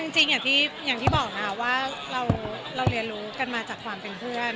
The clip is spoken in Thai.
จริงอย่างที่บอกค่ะว่าเราเรียนรู้กันมาจากความเป็นเพื่อน